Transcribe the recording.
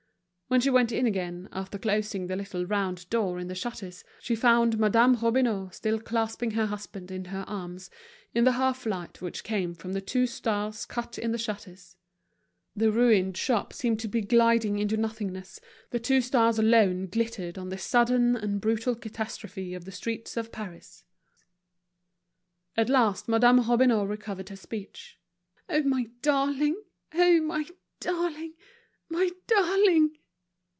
When she went in again, after closing the little round door in the shutters, she found Madame Robineau still clasping her husband in her arms, in the half light which came from the two stars cut in the shutters. The ruined shop seemed to be gliding into nothingness, the two stars alone glittered on this sudden and brutal catastrophe of the streets of Paris. At last Madame Robineau recovered her speech. "Oh, my darling!—oh, my darling! my darling!"